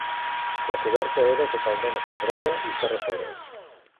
La coberta era totalment esfondrada i s'ha restaurat.